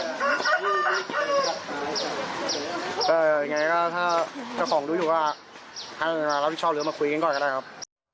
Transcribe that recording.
เอ่อยังไงก็ถ้าเจ้าของดูอยู่ก็ถ้าเราที่ชอบเรามาคุยกันก่อนก็ได้ครับ